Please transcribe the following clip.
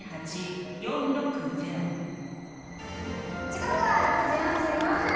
時刻は６時４４分。